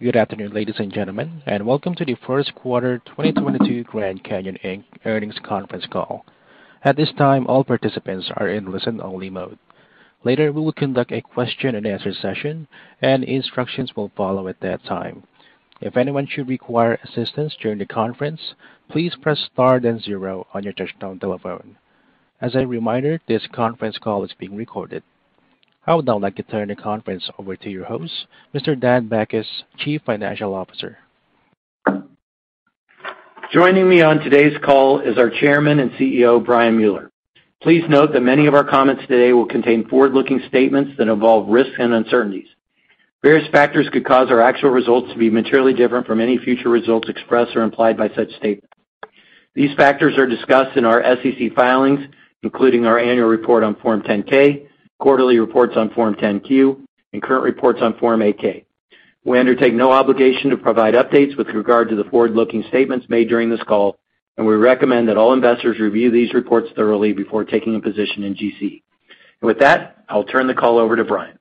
Good afternoon, ladies and gentlemen, and welcome to the first quarter 2022 Grand Canyon Education, Inc. earnings conference call. At this time, all participants are in listen-only mode. Later, we will conduct a question-and-answer session, and instructions will follow at that time. If anyone should require assistance during the conference, please press star then zero on your touchtone telephone. As a reminder, this conference call is being recorded. I would now like to turn the conference over to your host, Mr. Daniel Bachus, Chief Financial Officer. Joining me on today's call is our Chairman and CEO, Brian Mueller. Please note that many of our comments today will contain forward-looking statements that involve risks and uncertainties. Various factors could cause our actual results to be materially different from any future results expressed or implied by such statements. These factors are discussed in our SEC filings, including our annual report on Form 10-K, quarterly reports on Form 10-Q, and current reports on Form 8-K. We undertake no obligation to provide updates with regard to the forward-looking statements made during this call, and we recommend that all investors review these reports thoroughly before taking a position in GCE. With that, I'll turn the call over to Brian.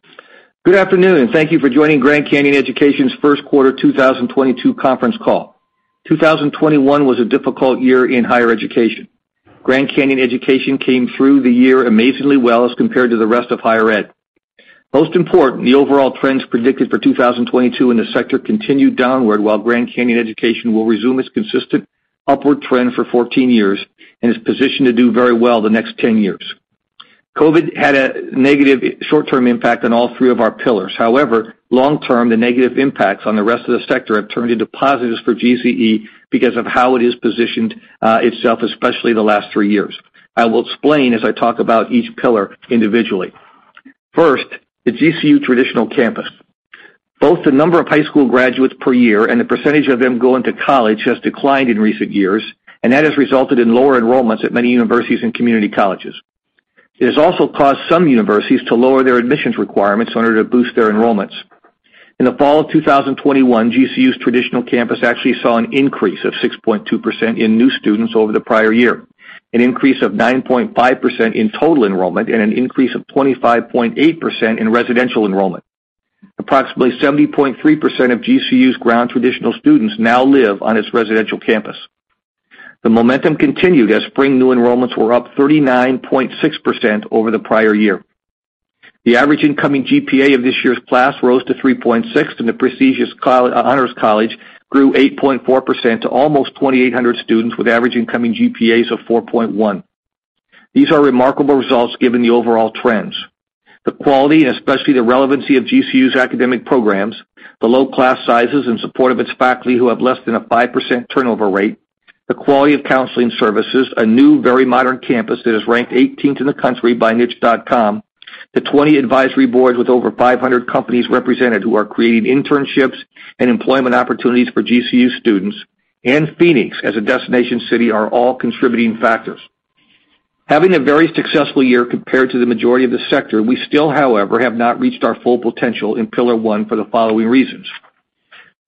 Good afternoon, and thank you for joining Grand Canyon Education's first quarter 2022 conference call. 2021 was a difficult year in higher education. Grand Canyon Education came through the year amazingly well as compared to the rest of higher ed. Most important, the overall trends predicted for 2022 in the sector continued downward while Grand Canyon Education will resume its consistent upward trend for 14 years and is positioned to do very well the next 10 years. COVID had a negative short-term impact on all three of our pillars. However, long-term, the negative impacts on the rest of the sector have turned into positives for GCE because of how it has positioned itself, especially the last three years. I will explain as I talk about each pillar individually. First, the GCU traditional campus. Both the number of high school graduates per year and the percentage of them going to college has declined in recent years, and that has resulted in lower enrollments at many universities and community colleges. It has also caused some universities to lower their admissions requirements in order to boost their enrollments. In the fall of 2021, GCU's traditional campus actually saw an increase of 6.2% in new students over the prior year, an increase of 9.5% in total enrollment, and an increase of 25.8% in residential enrollment. Approximately 70.3% of GCU's ground traditional students now live on its residential campus. The momentum continued as spring new enrollments were up 39.6% over the prior year. The average incoming GPA of this year's class rose to 3.6, and the prestigious honors college grew 8.4% to almost 2,800 students with average incoming GPAs of 4.1. These are remarkable results given the overall trends. The quality, and especially the relevancy of GCU's academic programs, the low class sizes in support of its faculty who have less than a 5% turnover rate, the quality of counseling services, a new, very modern campus that is ranked eighteenth in the country by Niche.com, the 20 advisory boards with over 500 companies represented who are creating internships and employment opportunities for GCU students, and Phoenix as a destination city are all contributing factors. Having a very successful year compared to the majority of the sector, we still, however, have not reached our full potential in pillar one for the following reasons.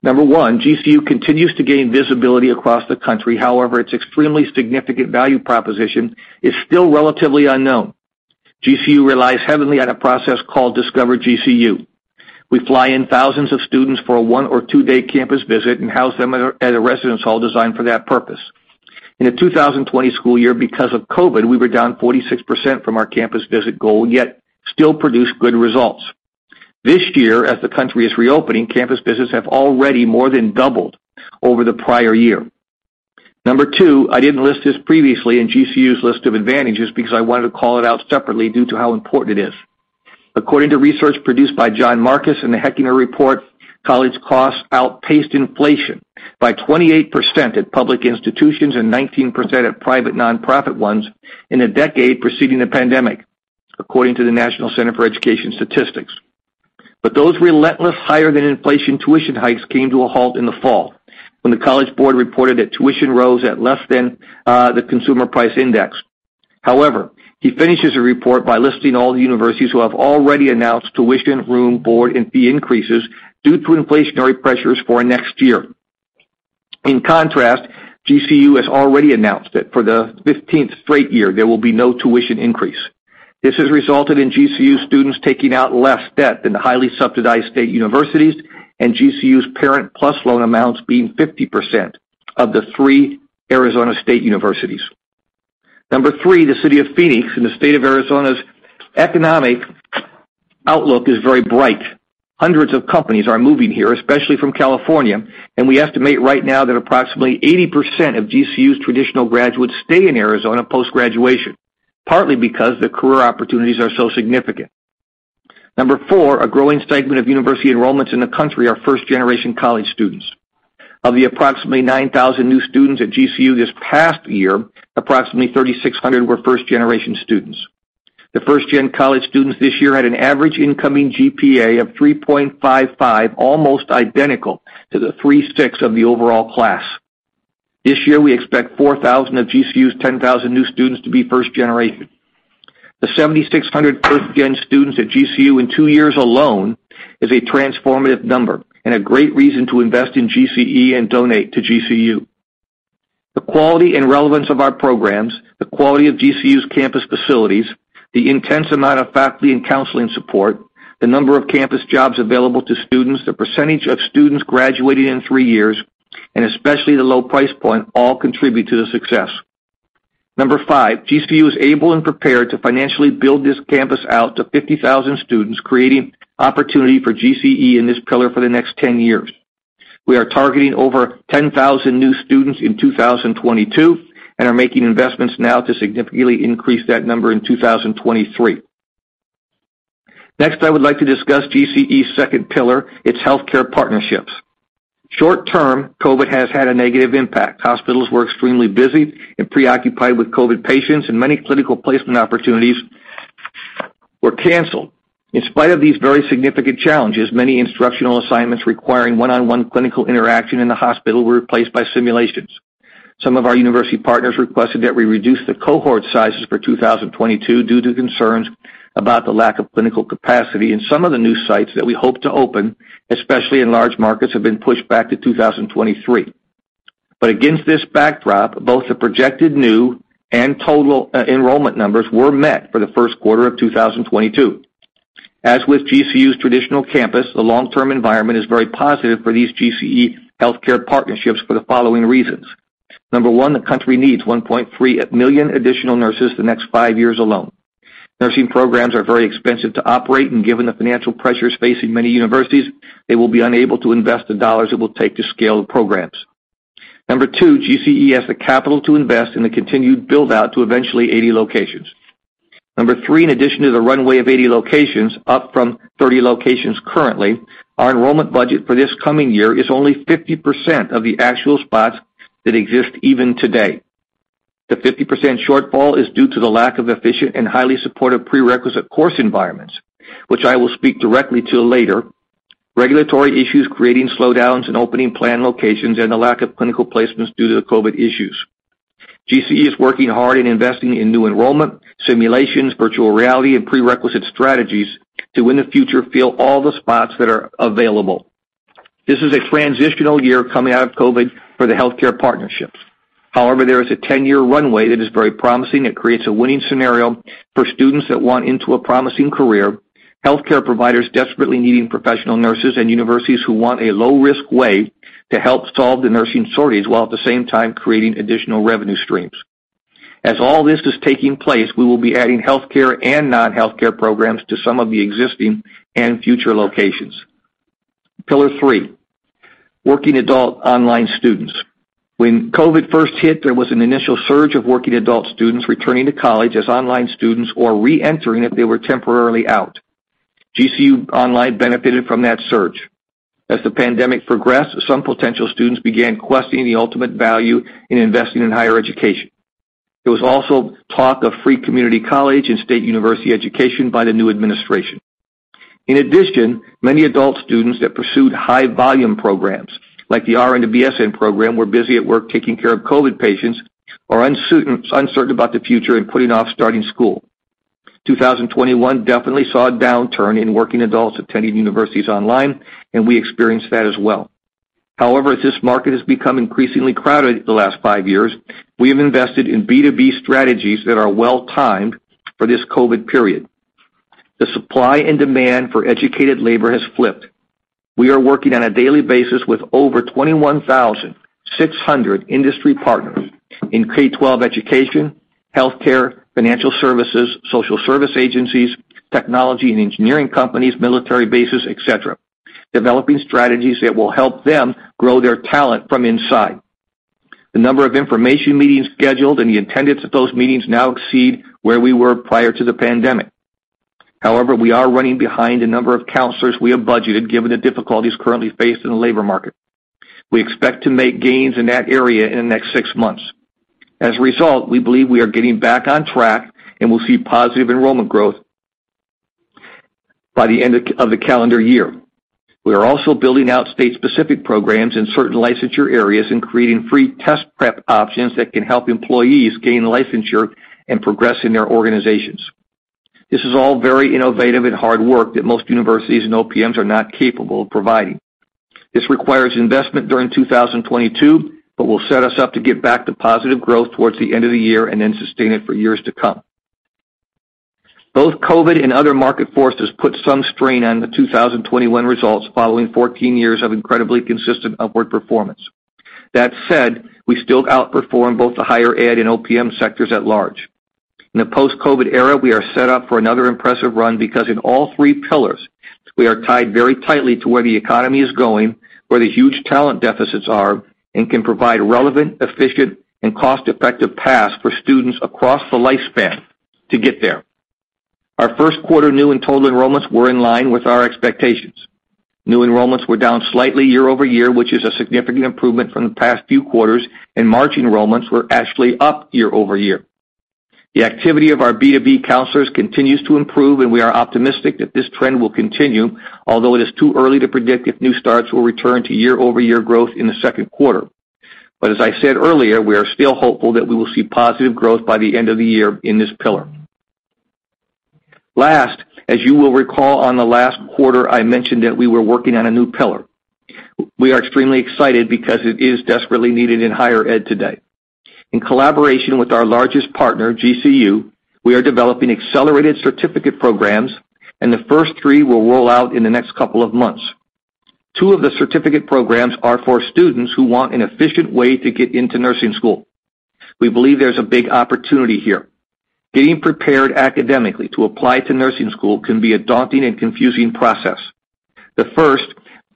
Number 1, GCU continues to gain visibility across the country. However, its extremely significant value proposition is still relatively unknown. GCU relies heavily on a process called Discover GCU. We fly in thousands of students for a one or two-day campus visit and house them at a residence hall designed for that purpose. In the 2020 school year because of COVID, we were down 46% from our campus visit goal, yet still produced good results. This year, as the country is reopening, campus visits have already more than doubled over the prior year. Number 2, I didn't list this previously in GCU's list of advantages because I wanted to call it out separately due to how important it is. According to research produced by Jon Marcus in the Hechinger Report, college costs outpaced inflation by 28% at public institutions and 19% at private non-profit ones in a decade preceding the pandemic, according to the National Center for Education Statistics. Those relentless higher than inflation tuition hikes came to a halt in the fall when the College Board reported that tuition rose at less than the consumer price index. However, he finishes a report by listing all the universities who have already announced tuition, room, board, and fee increases due to inflationary pressures for next year. In contrast, GCU has already announced that for the 15th straight year, there will be no tuition increase. This has resulted in GCU students taking out less debt than the highly subsidized state universities, and GCU's Parent PLUS Loan amounts being 50% of the three Arizona state universities. Number 3, the city of Phoenix and the state of Arizona's economic outlook is very bright. Hundreds of companies are moving here, especially from California, and we estimate right now that approximately 80% of GCU's traditional graduates stay in Arizona post-graduation, partly because the career opportunities are so significant. Number 4, a growing segment of university enrollments in the country are first-generation college students. Of the approximately 9,000 new students at GCU this past year, approximately 3,600 were first-generation students. The first-gen college students this year had an average incoming GPA of 3.55, almost identical to the 3.6 of the overall class. This year, we expect 4,000 of GCU's 10,000 new students to be first-generation. The 7,600 first-gen students at GCU in two years alone is a transformative number and a great reason to invest in GCE and donate to GCU. The quality and relevance of our programs, the quality of GCU's campus facilities, the intense amount of faculty and counseling support, the number of campus jobs available to students, the percentage of students graduating in three years, and especially the low price point all contribute to the success. Number 5, GCU is able and prepared to financially build this campus out to 50,000 students, creating opportunity for GCE in this pillar for the next ten years. We are targeting over 10,000 new students in 2022, and are making investments now to significantly increase that number in 2023. Next, I would like to discuss GCE's second pillar, its healthcare partnerships. Short-term, COVID has had a negative impact. Hospitals were extremely busy and preoccupied with COVID patients, and many clinical placement opportunities were canceled. In spite of these very significant challenges, many instructional assignments requiring one-on-one clinical interaction in the hospital were replaced by simulations. Some of our university partners requested that we reduce the cohort sizes for 2022 due to concerns about the lack of clinical capacity, and some of the new sites that we hope to open, especially in large markets, have been pushed back to 2023. Against this backdrop, both the projected new and total enrollment numbers were met for the first quarter of 2022. As with GCU's traditional campus, the long-term environment is very positive for these GCE healthcare partnerships for the following reasons. Number 1, the country needs 1.3 million additional nurses the next five years alone. Nursing programs are very expensive to operate, and given the financial pressures facing many universities, they will be unable to invest the dollars it will take to scale the programs. Number two, GCE has the capital to invest in the continued build-out to eventually 80 locations. Number three, in addition to the runway of 80 locations, up from 30 locations currently, our enrollment budget for this coming year is only 50% of the actual spots that exist even today. The 50% shortfall is due to the lack of efficient and highly supportive prerequisite course environments, which I will speak directly to later, regulatory issues creating slowdowns in opening planned locations, and the lack of clinical placements due to the COVID issues. GCE is working hard in investing in new enrollment, simulations, virtual reality, and prerequisite strategies to, in the future, fill all the spots that are available. This is a transitional year coming out of COVID for the healthcare partnerships. However, there is a 10-year runway that is very promising. It creates a winning scenario for students that want into a promising career, healthcare providers desperately needing professional nurses, and universities who want a low-risk way to help solve the nursing shortage while at the same time creating additional revenue streams. As all this is taking place, we will be adding healthcare and non-healthcare programs to some of the existing and future locations. Pillar three, working adult online students. When COVID first hit, there was an initial surge of working adult students returning to college as online students or re-entering if they were temporarily out. GCU Online benefited from that surge. As the pandemic progressed, some potential students began questioning the ultimate value in investing in higher education. There was also talk of free community college and state university education by the new administration. In addition, many adult students that pursued high volume programs like the RN to BSN program were busy at work taking care of COVID patients or uncertain about the future and putting off starting school. 2021 definitely saw a downturn in working adults attending universities online, and we experienced that as well. However, as this market has become increasingly crowded the last five years, we have invested in B2B strategies that are well-timed for this COVID period. The supply and demand for educated labor has flipped. We are working on a daily basis with over 21,600 industry partners in K12 education, healthcare, financial services, social service agencies, technology and engineering companies, military bases, et cetera, developing strategies that will help them grow their talent from inside. The number of information meetings scheduled and the attendance at those meetings now exceed where we were prior to the pandemic. However, we are running behind the number of counselors we have budgeted given the difficulties currently faced in the labor market. We expect to make gains in that area in the next six months. As a result, we believe we are getting back on track and will see positive enrollment growth by the end of the calendar year. We are also building out state-specific programs in certain licensure areas and creating free test prep options that can help employees gain licensure and progress in their organizations. This is all very innovative and hard work that most universities and OPMs are not capable of providing. This requires investment during 2022, but will set us up to get back to positive growth towards the end of the year and then sustain it for years to come. Both COVID and other market forces put some strain on the 2021 results following 14 years of incredibly consistent upward performance. That said, we still outperformed both the higher ed and OPM sectors at large. In the post-COVID era, we are set up for another impressive run because in all three pillars, we are tied very tightly to where the economy is going, where the huge talent deficits are, and can provide relevant, efficient, and cost-effective paths for students across the lifespan to get there. Our first quarter new and total enrollments were in line with our expectations. New enrollments were down slightly year-over-year, which is a significant improvement from the past few quarters, and March enrollments were actually up year-over-year. The activity of our B2B counselors continues to improve, and we are optimistic that this trend will continue, although it is too early to predict if new starts will return to year-over-year growth in the second quarter. As I said earlier, we are still hopeful that we will see positive growth by the end of the year in this pillar. Last, as you will recall on the last quarter, I mentioned that we were working on a new pillar. We are extremely excited because it is desperately needed in higher ed today. In collaboration with our largest partner, GCU, we are developing accelerated certificate programs, and the first three will roll out in the next couple of months. Two of the certificate programs are for students who want an efficient way to get into nursing school. We believe there's a big opportunity here. Getting prepared academically to apply to nursing school can be a daunting and confusing process. The first,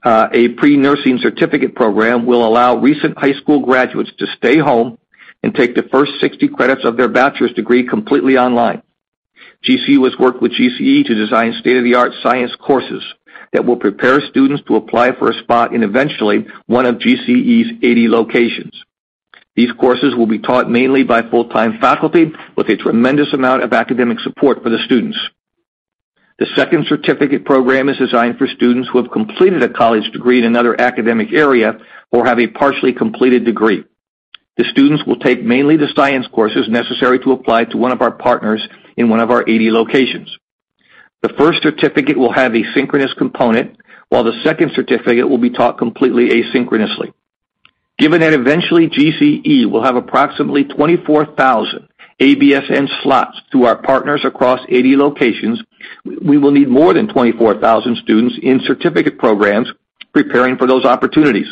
a pre-nursing certificate program will allow recent high school graduates to stay home and take the first 60 credits of their bachelor's degree completely online. GCU has worked with GCE to design state-of-the-art science courses that will prepare students to apply for a spot in eventually one of GCE's 80 locations. These courses will be taught mainly by full-time faculty with a tremendous amount of academic support for the students. The second certificate program is designed for students who have completed a college degree in another academic area or have a partially completed degree. The students will take mainly the science courses necessary to apply to one of our partners in one of our 80 locations. The first certificate will have a synchronous component, while the second certificate will be taught completely asynchronously. Given that eventually GCE will have approximately 24,000 ABSN slots through our partners across 80 locations, we will need more than 24,000 students in certificate programs preparing for those opportunities.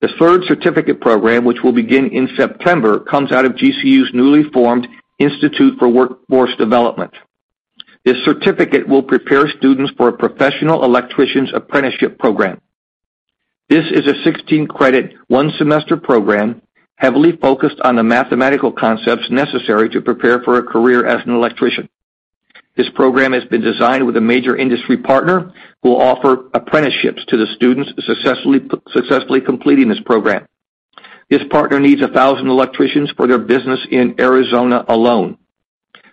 The third certificate program, which will begin in September, comes out of GCU's newly formed Center for Workforce Development. This certificate will prepare students for a professional electrician's apprenticeship program. This is a 16-credit, one-semester program heavily focused on the mathematical concepts necessary to prepare for a career as an electrician. This program has been designed with a major industry partner who will offer apprenticeships to the students successfully completing this program. This partner needs 1,000 electricians for their business in Arizona alone.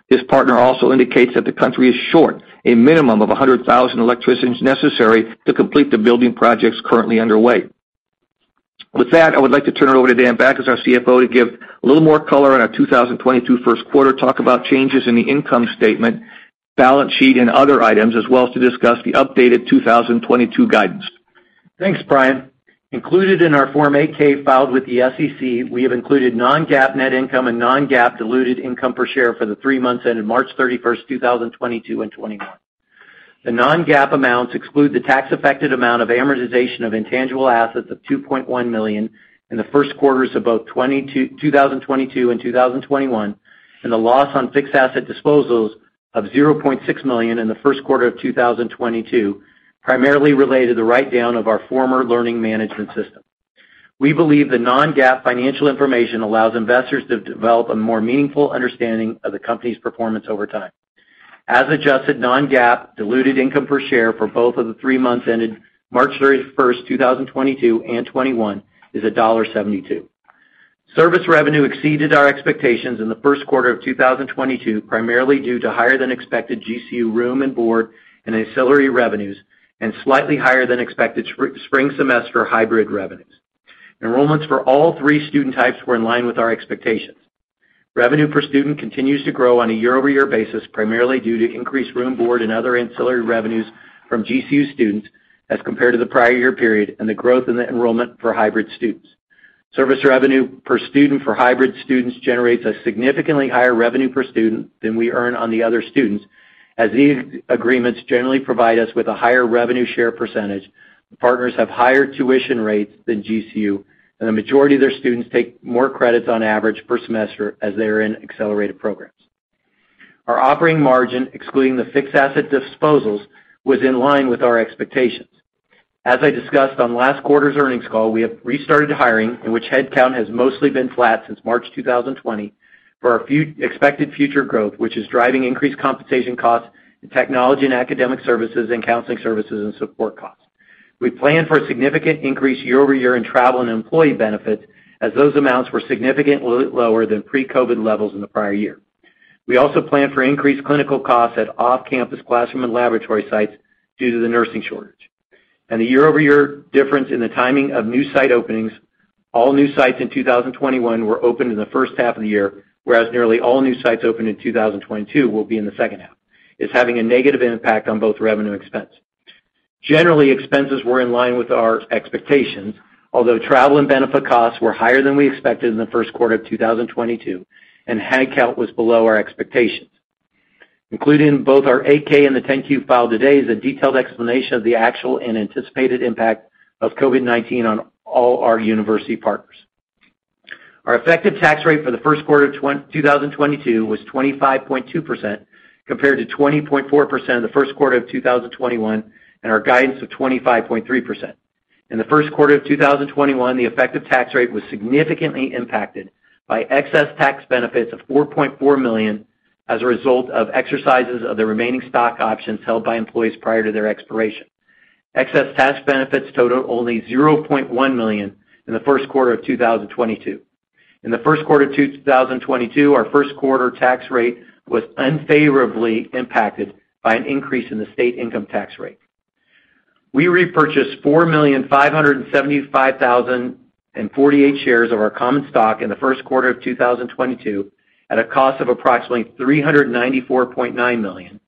This partner also indicates that the country is short a minimum of 100,000 electricians necessary to complete the building projects currently underway. With that, I would like to turn it over to Dan Bachus, our CFO, to give a little more color on our 2022 first quarter, talk about changes in the income statement, balance sheet, and other items, as well as to discuss the updated 2022 guidance. Thanks, Brian. Included in our Form 8-K filed with the SEC, we have included Non-GAAP net income and Non-GAAP diluted income per share for the three months ended March 31, 2022 and 2021. The Non-GAAP amounts exclude the tax-affected amount of amortization of intangible assets of $2.1 million in the first quarters of both 2022 and 2021, and the loss on fixed asset disposals of $0.6 million in the first quarter of 2022, primarily related to the write-down of our former learning management system. We believe the Non-GAAP financial information allows investors to develop a more meaningful understanding of the company's performance over time. As adjusted Non-GAAP diluted income per share for both of the three months ended March 31, 2022 and 2021 is $1.72. Service revenue exceeded our expectations in the first quarter of 2022, primarily due to higher than expected GCU room and board and ancillary revenues, and slightly higher than expected spring semester hybrid revenues. Enrollments for all three student types were in line with our expectations. Revenue per student continues to grow on a year-over-year basis, primarily due to increased room, board, and other ancillary revenues from GCU students as compared to the prior year period and the growth in the enrollment for hybrid students. Service revenue per student for hybrid students generates a significantly higher revenue per student than we earn on the other students, as these agreements generally provide us with a higher revenue share percentage, partners have higher tuition rates than GCU, and the majority of their students take more credits on average per semester as they are in accelerated programs. Our operating margin, excluding the fixed asset disposals, was in line with our expectations. As I discussed on last quarter's earnings call, we have restarted hiring, during which headcount has mostly been flat since March 2020, for our expected future growth, which is driving increased compensation costs in technology and academic services and counseling services and support costs. We plan for a significant increase year-over-year in travel and employee benefits, as those amounts were significantly lower than pre-COVID levels in the prior year. We also plan for increased clinical costs at off-campus classroom and laboratory sites due to the nursing shortage. The year-over-year difference in the timing of new site openings, all new sites in 2021 were opened in the first half of the year, whereas nearly all new sites opened in 2022 will be in the second half, is having a negative impact on both revenue and expense. Generally, expenses were in line with our expectations, although travel and benefit costs were higher than we expected in the first quarter of 2022, and headcount was below our expectations. Included in both our Form 8-K and the Form 10-Q filed today is a detailed explanation of the actual and anticipated impact of COVID-19 on all our university partners. Our effective tax rate for the first quarter of 2022 was 25.2% compared to 20.4% in the first quarter of 2021 and our guidance of 25.3%. In the first quarter of 2021, the effective tax rate was significantly impacted by excess tax benefits of $4.4 million as a result of exercises of the remaining stock options held by employees prior to their expiration. Excess tax benefits totaled only $0.1 million in the first quarter of 2022. In the first quarter 2022, our first quarter tax rate was unfavorably impacted by an increase in the state income tax rate. We repurchased 4,575,048 shares of our common stock in the first quarter of 2022 at a cost of approximately $394.9 million,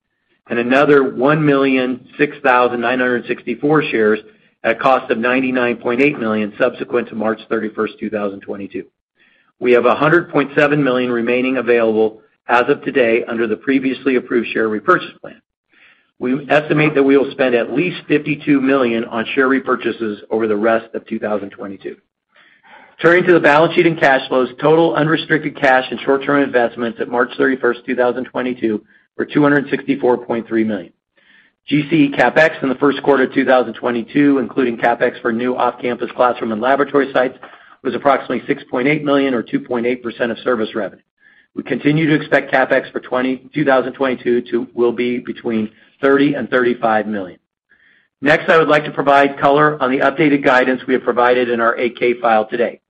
and another 1,006,964 shares at a cost of $99.8 million subsequent to March 31, 2022. We have $100.7 million remaining available as of today under the previously approved share repurchase plan. We estimate that we will spend at least $52 million on share repurchases over the rest of 2022. Turning to the balance sheet and cash flows, total unrestricted cash and short-term investments at March 31, 2022 were $264.3 million. GC CapEx in the first quarter of 2022, including CapEx for new off-campus classroom and laboratory sites, was approximately $6.8 million or 2.8% of service revenue. We continue to expect CapEx for 2022 will be between $30 million-$35 million. Next, I would like to provide color on the updated guidance we have provided in our 8-K file today.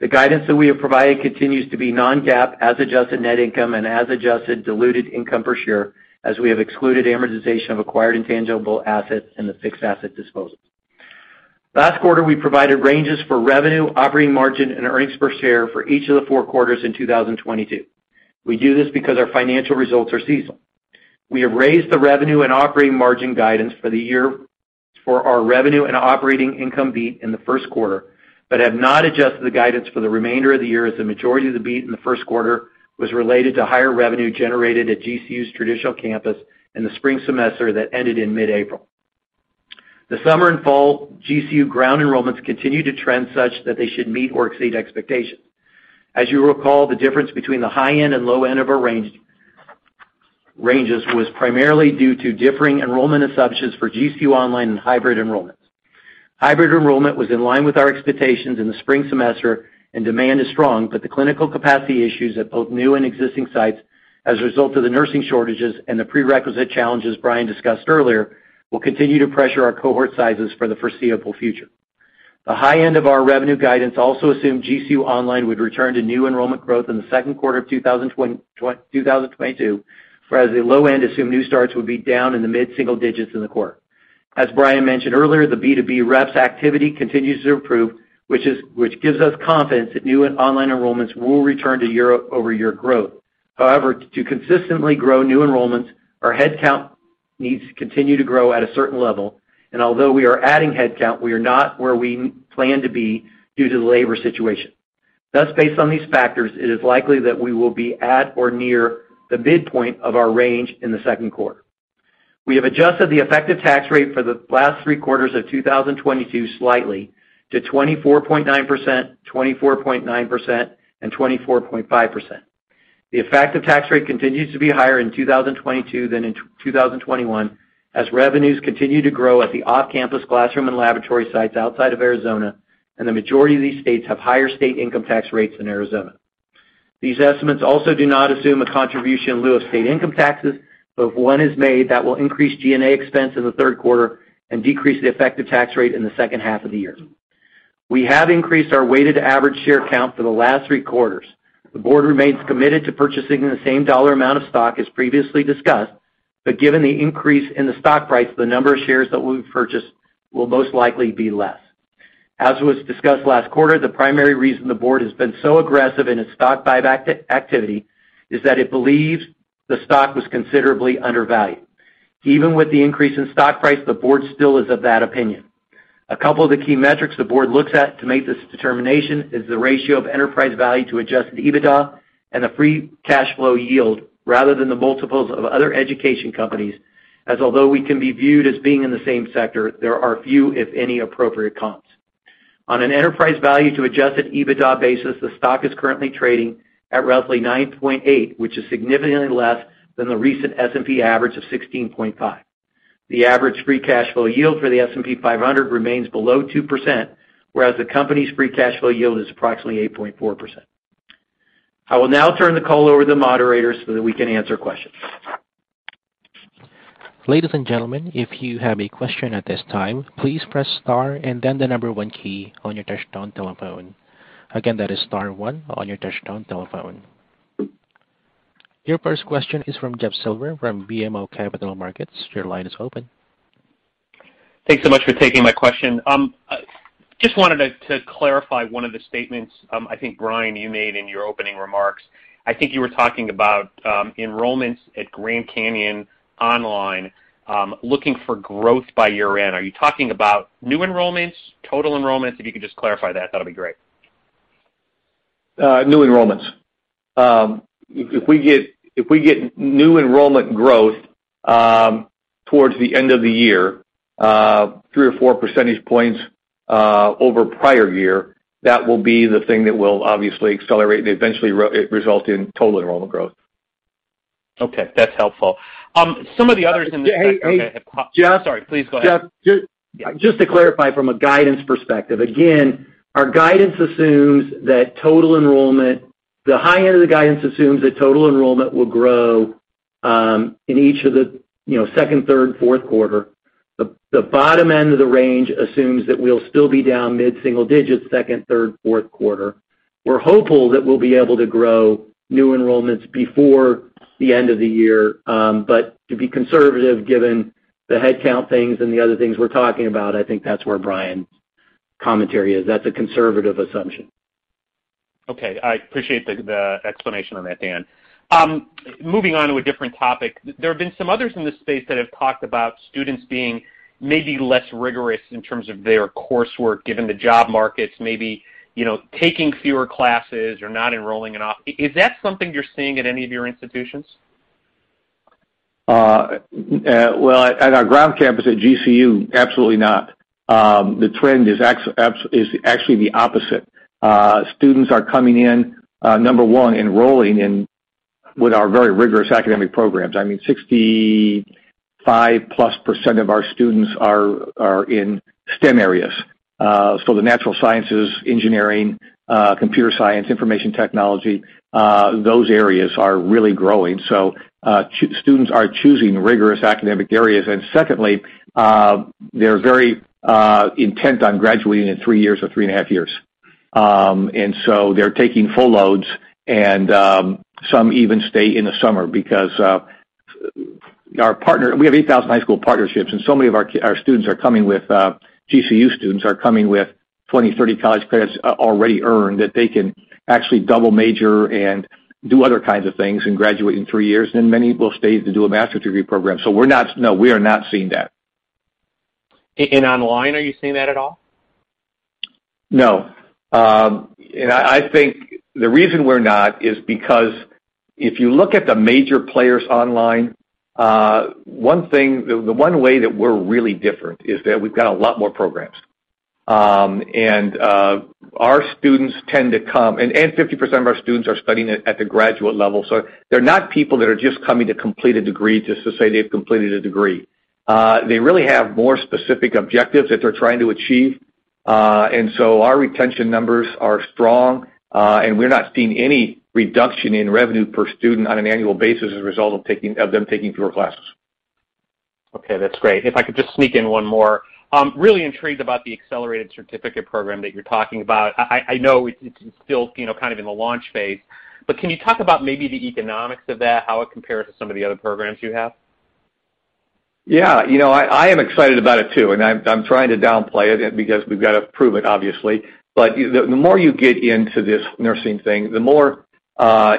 The guidance that we have provided continues to be non-GAAP as adjusted net income and as adjusted diluted income per share as we have excluded amortization of acquired intangible assets and the fixed asset disposals. Last quarter, we provided ranges for revenue, operating margin, and earnings per share for each of the four quarters in 2022. We do this because our financial results are seasonal. We have raised the revenue and operating margin guidance for the year for our revenue and operating income beat in the first quarter, but have not adjusted the guidance for the remainder of the year as the majority of the beat in the first quarter was related to higher revenue generated at GCU's traditional campus in the spring semester that ended in mid-April. The summer and fall GCU ground enrollments continue to trend such that they should meet or exceed expectations. As you recall, the difference between the high end and low end of our ranges was primarily due to differing enrollment assumptions for GCU online and hybrid enrollments. Hybrid enrollment was in line with our expectations in the spring semester and demand is strong, but the clinical capacity issues at both new and existing sites as a result of the nursing shortages and the prerequisite challenges Brian discussed earlier will continue to pressure our cohort sizes for the foreseeable future. The high end of our revenue guidance also assumed GCU Online would return to new enrollment growth in the second quarter of 2022, whereas the low end assumed new starts would be down in the mid-single digits in the quarter. As Brian mentioned earlier, the B2B reps activity continues to improve, which gives us confidence that new and online enrollments will return to year-over-year growth. However, to consistently grow new enrollments, our head count needs to continue to grow at a certain level, and although we are adding head count, we are not where we plan to be due to the labor situation. Thus, based on these factors, it is likely that we will be at or near the midpoint of our range in the second quarter. We have adjusted the effective tax rate for the last three quarters of 2022 slightly to 24.9%, 24.9%, and 24.5%. The effective tax rate continues to be higher in 2022 than in 2021 as revenues continue to grow at the off-campus classroom and laboratory sites outside of Arizona, and the majority of these states have higher state income tax rates than Arizona. These estimates also do not assume a contribution in lieu of state income taxes, but if one is made, that will increase G&A expense in the third quarter and decrease the effective tax rate in the second half of the year. We have increased our weighted average share count for the last three quarters. The board remains committed to purchasing the same dollar amount of stock as previously discussed, but given the increase in the stock price, the number of shares that we've purchased will most likely be less. As was discussed last quarter, the primary reason the board has been so aggressive in its stock buyback activity is that it believes the stock was considerably undervalued. Even with the increase in stock price, the board still is of that opinion. A couple of the key metrics the board looks at to make this determination is the ratio of enterprise value to Adjusted EBITDA and the free cash flow yield rather than the multiples of other education companies, as although we can be viewed as being in the same sector, there are few, if any, appropriate comps. On an enterprise value to Adjusted EBITDA basis, the stock is currently trading at roughly 9.8, which is significantly less than the recent S&P average of 16.5. The average free cash flow yield for the S&P 500 remains below 2%, whereas the company's free cash flow yield is approximately 8.4%. I will now turn the call over to the moderators so that we can answer questions. Ladies and gentlemen, if you have a question at this time, please press star and then the number one key on your touch-tone telephone. Again, that is star one on your touch-tone telephone. Your first question is from Jeffrey Silber from BMO Capital Markets. Your line is open. Thanks so much for taking my question. Just wanted to clarify one of the statements, I think, Brian, you made in your opening remarks. I think you were talking about enrollments at Grand Canyon Online, looking for growth by year-end. Are you talking about new enrollments, total enrollments? If you could just clarify that'd be great. New enrollments. If we get new enrollment growth towards the end of the year, three or four percentage points over prior year, that will be the thing that will obviously accelerate and eventually result in total enrollment growth. Okay, that's helpful. Some of the others in the sector that have pop- Hey, Jeff. Sorry, please go ahead. Jeff, just to clarify from a guidance perspective, again, our guidance assumes that total enrollment, the high end of the guidance assumes that total enrollment will grow, you know, in each of the second, third, fourth quarter. The bottom end of the range assumes that we'll still be down mid-single digits second, third, fourth quarter. We're hopeful that we'll be able to grow new enrollments before the end of the year. To be conservative, given the headcount things and the other things we're talking about, I think that's where Brian's commentary is. That's a conservative assumption. Okay. I appreciate the explanation on that, Dan. Moving on to a different topic. There have been some others in this space that have talked about students being maybe less rigorous in terms of their coursework, given the job markets, maybe, you know, taking fewer classes or not enrolling at all. Is that something you're seeing at any of your institutions? Well, at our ground campus at GCU, absolutely not. The trend is actually the opposite. Students are coming in, number one, enrolling in with our very rigorous academic programs. I mean, 65% of our students are in STEM areas. The natural sciences, engineering, computer science, information technology, those areas are really growing. Students are choosing rigorous academic areas. Secondly, they're very intent on graduating in three years or three and a half years. They're taking full loads, and some even stay in the summer because we have 8,000 high school partnerships, and so many of our GCU students are coming with 20, 30 college credits already earned, that they can actually double major and do other kinds of things and graduate in three years, and many will stay to do a master's degree program. We are not seeing that. In online, are you seeing that at all? No. I think the reason we're not is because if you look at the major players online, one thing, the one way that we're really different is that we've got a lot more programs. 50% of our students are studying at the graduate level, so they're not people that are just coming to complete a degree just to say they've completed a degree. They really have more specific objectives that they're trying to achieve. Our retention numbers are strong, and we're not seeing any reduction in revenue per student on an annual basis as a result of them taking fewer classes. Okay, that's great. If I could just sneak in one more. I'm really intrigued about the accelerated certificate program that you're talking about. I know it's still, you know, kind of in the launch phase, but can you talk about maybe the economics of that, how it compares to some of the other programs you have? Yeah. You know, I am excited about it, too, and I'm trying to downplay it because we've got to prove it, obviously. The more you get into this nursing thing, the more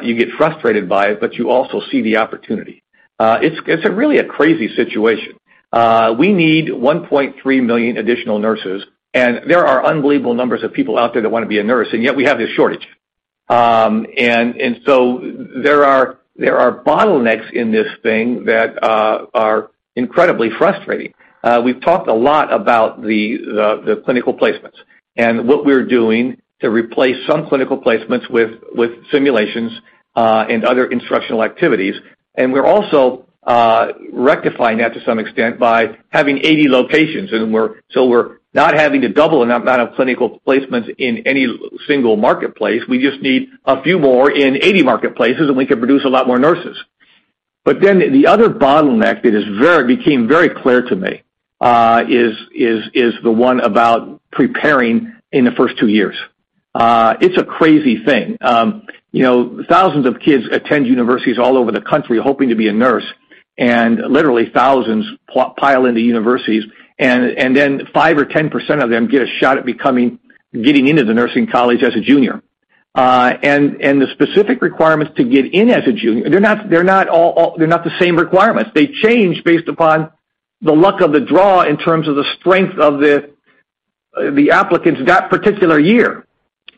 you get frustrated by it, but you also see the opportunity. It's really a crazy situation. We need 1.3 million additional nurses, and there are unbelievable numbers of people out there that wanna be a nurse, and yet we have this shortage. So there are bottlenecks in this thing that are incredibly frustrating. We've talked a lot about the clinical placements and what we're doing to replace some clinical placements with simulations and other instructional activities. We're also rectifying that to some extent by having 80 locations, so we're not having to double an amount of clinical placements in any single marketplace. We just need a few more in 80 marketplaces, and we can produce a lot more nurses. The other bottleneck that became very clear to me is the one about preparing in the first two years. It's a crazy thing. You know, thousands of kids attend universities all over the country hoping to be a nurse, and literally thousands pile into universities. Then 5% or 10% of them get a shot at getting into the nursing college as a junior. The specific requirements to get in as a junior, they're not all the same requirements. They change based upon the luck of the draw in terms of the strength of the applicants that particular year.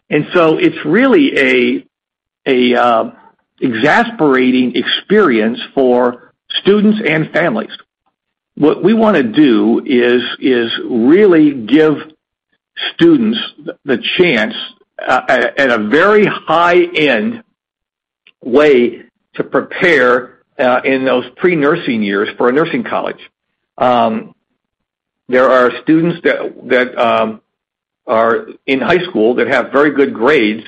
It's really an exasperating experience for students and families. What we wanna do is really give students the chance at a very high-end way to prepare in those pre-nursing years for a nursing college. There are students that are in high school that have very good grades,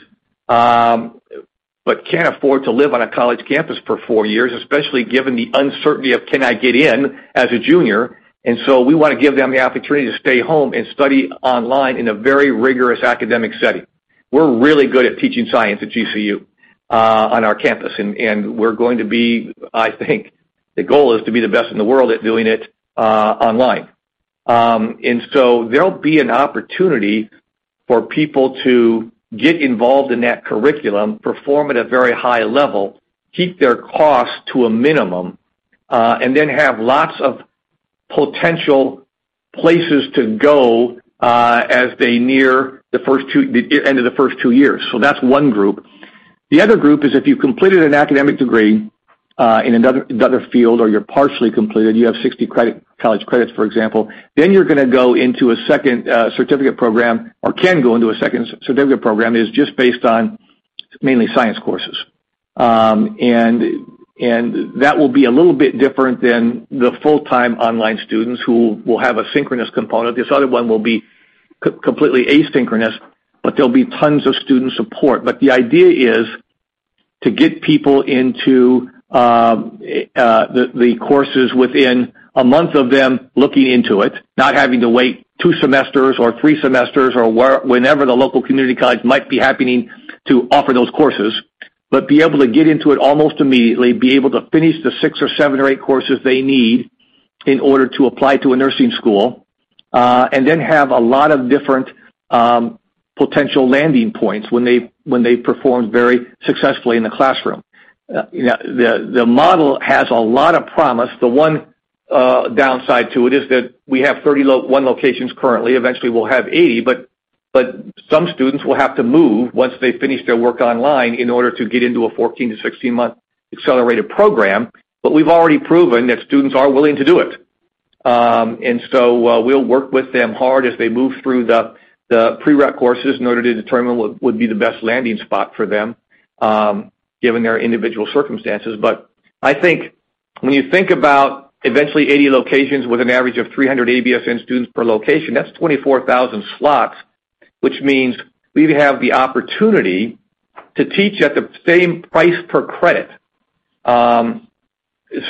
but can't afford to live on a college campus for four years, especially given the uncertainty of can I get in as a junior. We wanna give them the opportunity to stay home and study online in a very rigorous academic setting. We're really good at teaching science at GCU on our campus, and we're going to be. I think the goal is to be the best in the world at doing it online. There'll be an opportunity for people to get involved in that curriculum, perform at a very high level, keep their costs to a minimum, and then have lots of potential places to go as they near the end of the first two years. That's one group. The other group is if you completed an academic degree in another field or you're partially completed. You have 60 college credits, for example, then you're gonna go into a second certificate program, or can go into a second certificate program is just based on mainly science courses. That will be a little bit different than the full-time online students who will have a synchronous component. This other one will be completely asynchronous, but there'll be tons of student support. The idea is to get people into the courses within a month of them looking into it, not having to wait two semesters or three semesters, or whenever the local community college might be happening to offer those courses. Be able to get into it almost immediately, be able to finish the six or seven or eight courses they need in order to apply to a nursing school, and then have a lot of different potential landing points when they perform very successfully in the classroom. The model has a lot of promise. The one downside to it is that we have 31 locations currently. Eventually, we'll have 80, but some students will have to move once they finish their work online in order to get into a 14-16-month accelerated program. We've already proven that students are willing to do it. We'll work with them hard as they move through the pre-req courses in order to determine what would be the best landing spot for them, given their individual circumstances. I think when you think about eventually 80 locations with an average of 300 ABSN students per location, that's 24,000 slots, which means we'd have the opportunity to teach at the same price per credit,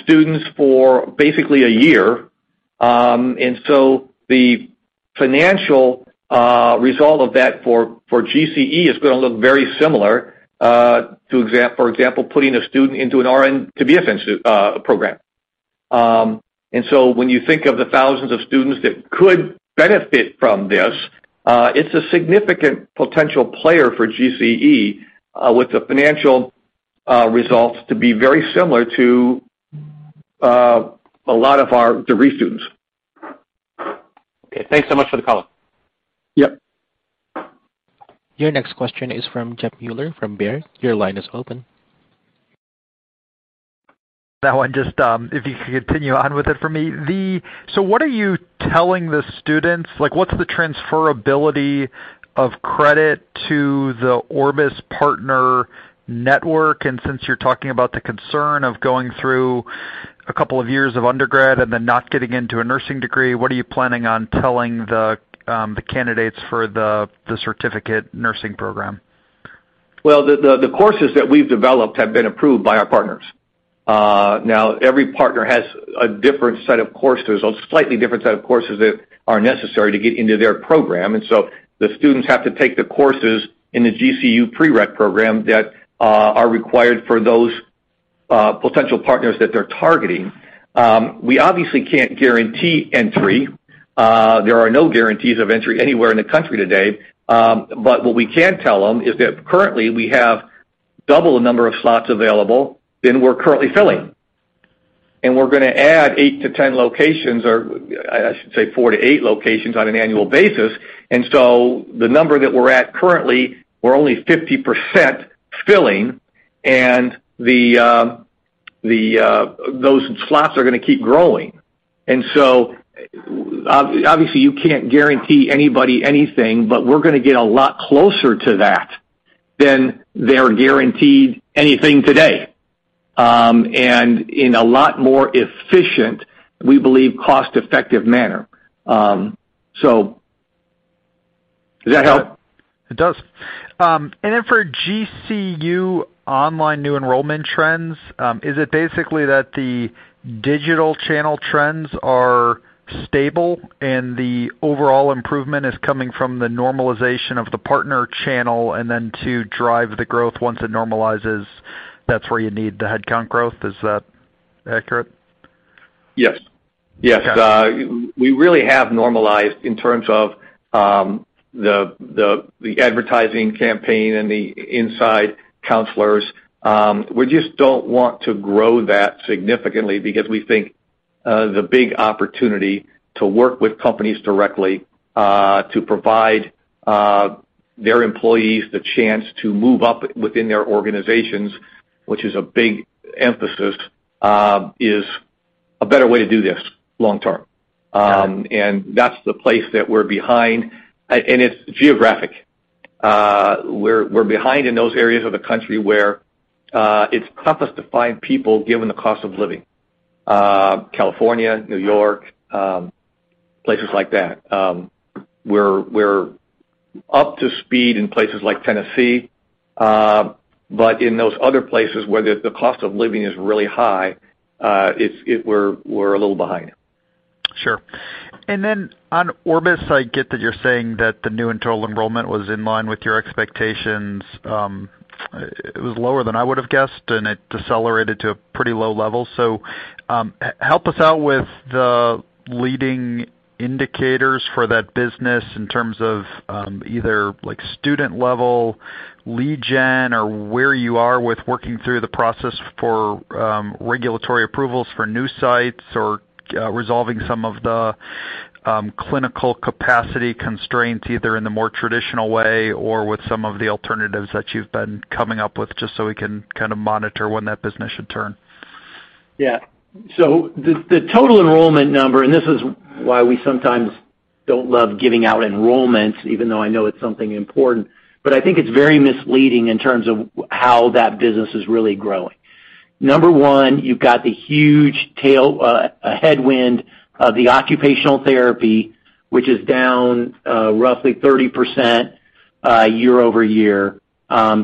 students for basically a year. The financial result of that for GCE is gonna look very similar to, for example, putting a student into an RN to BSN program. When you think of the thousands of students that could benefit from this, it's a significant potential player for GCE, with the financial results to be very similar to a lot of our degree students. Okay, thanks so much for the call. Yep. Your next question is from Jeffrey Meuler from Baird. Your line is open. Now, just if you could continue on with it for me. What are you telling the students? Like, what's the transferability of credit to the Orbis partner network? And since you're talking about the concern of going through a couple of years of undergrad and then not getting into a nursing degree, what are you planning on telling the candidates for the certificate nursing program? Well, the courses that we've developed have been approved by our partners. Now every partner has a different set of courses, a slightly different set of courses that are necessary to get into their program. The students have to take the courses in the GCU pre-req program that are required for those potential partners that they're targeting. We obviously can't guarantee entry. There are no guarantees of entry anywhere in the country today. What we can tell them is that currently, we have double the number of slots available than we're currently filling. We're gonna add 8-10 locations, or I should say 4-8 locations on an annual basis. The number that we're at currently, we're only 50% filling, and those slots are gonna keep growing. Obviously, you can't guarantee anybody anything, but we're gonna get a lot closer to that than they're guaranteed anything today, and in a lot more efficient, we believe, cost-effective manner. Does that help? It does. For GCU Online new enrollment trends, is it basically that the digital channel trends are stable and the overall improvement is coming from the normalization of the partner channel, and then to drive the growth once it normalizes, that's where you need the headcount growth? Is that accurate? Yes. Yes. Okay. We really have normalized in terms of the advertising campaign and the in-house counselors. We just don't want to grow that significantly because we think the big opportunity to work with companies directly to provide their employees the chance to move up within their organizations, which is a big emphasis, is a better way to do this long term. Got it. That's the place that we're behind. It's geographic. We're behind in those areas of the country where it's toughest to find people given the cost of living, California, New York, places like that. We're up to speed in places like Tennessee, but in those other places where the cost of living is really high, we're a little behind. Sure. Then on Orbis, I get that you're saying that the new internal enrollment was in line with your expectations. It was lower than I would have guessed, and it decelerated to a pretty low level. Help us out with the leading indicators for that business in terms of, either like student-level lead gen or where you are with working through the process for, regulatory approvals for new sites or, resolving some of the, clinical capacity constraints, either in the more traditional way or with some of the alternatives that you've been coming up with, just so we can kinda monitor when that business should turn. Yeah. The total enrollment number, and this is why we sometimes don't love giving out enrollments, even though I know it's something important, but I think it's very misleading in terms of how that business is really growing. Number one, you've got the huge tail, a headwind of the occupational therapy, which is down roughly 30% year-over-year,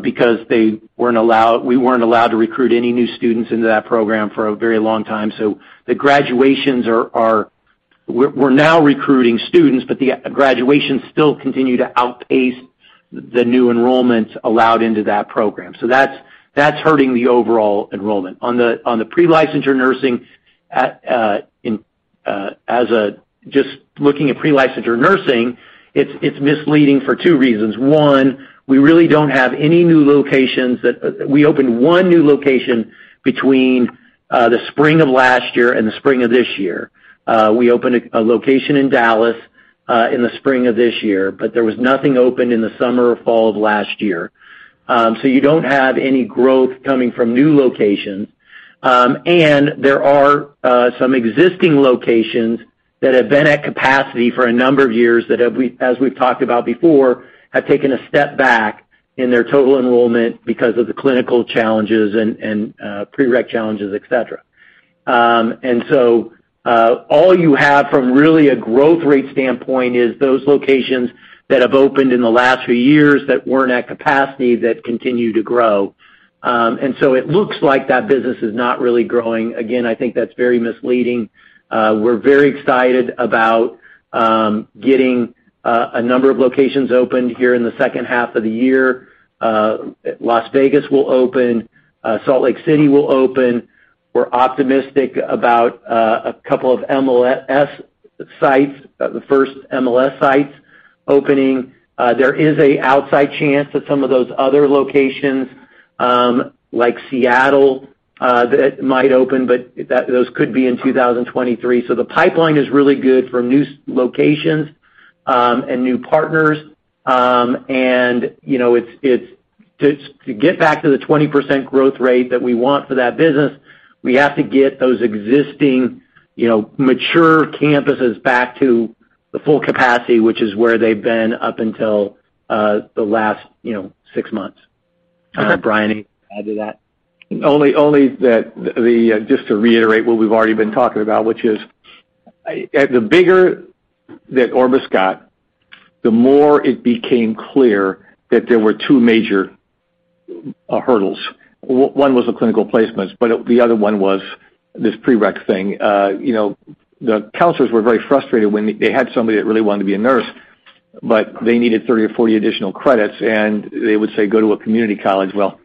because we weren't allowed to recruit any new students into that program for a very long time. We're now recruiting students, but the graduations still continue to outpace the new enrollments allowed into that program. That's hurting the overall enrollment. On the pre-licensure nursing, just looking at pre-licensure nursing, it's misleading for two reasons. One, we really don't have any new locations. We opened one new location between the spring of last year and the spring of this year. We opened a location in Dallas in the spring of this year, but there was nothing open in the summer or fall of last year. You don't have any growth coming from new locations. There are some existing locations that have been at capacity for a number of years that, as we've talked about before, have taken a step back in their total enrollment because of the clinical challenges and pre-req challenges, et cetera. All you have from really a growth rate standpoint is those locations that have opened in the last few years that weren't at capacity that continue to grow. It looks like that business is not really growing. Again, I think that's very misleading. We're very excited about getting a number of locations opened here in the second half of the year. Las Vegas will open. Salt Lake City will open. We're optimistic about a couple of MLS sites, the first MLS sites opening. There is an outside chance that some of those other locations, like Seattle, that might open, but those could be in 2023. The pipeline is really good for new locations and new partners. To get back to the 20% growth rate that we want for that business, we have to get those existing mature campuses back to the full capacity, which is where they've been up until the last six months. Brian, anything to add to that? Only that, just to reiterate what we've already been talking about, which is, the bigger that Orbis got, the more it became clear that there were two major hurdles. One was the clinical placements, but the other one was this pre-req thing. You know, the counselors were very frustrated when they had somebody that really wanted to be a nurse, but they needed 30 or 40 additional credits, and they would say, "Go to a community college." Well,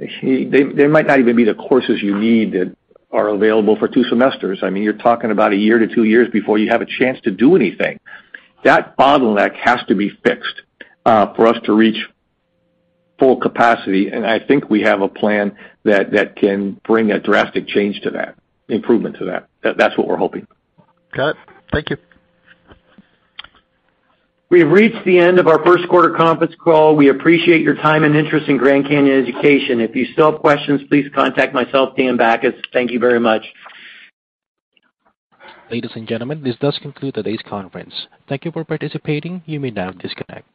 they might not even be the courses you need that are available for two semesters. I mean, you're talking about a year to two years before you have a chance to do anything. That bottleneck has to be fixed, for us to reach full capacity, and I think we have a plan that can bring a drastic change to that, improvement to that. That's what we're hoping. Got it. Thank you. We have reached the end of our first quarter conference call. We appreciate your time and interest in Grand Canyon Education. If you still have questions, please contact myself, Dan Bachus. Thank you very much. Ladies and gentlemen, this does conclude today's conference. Thank you for participating. You may now disconnect.